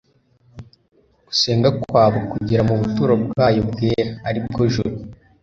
gusenga kwabo kugera mu buturo bwayo bwera, ari bwo juru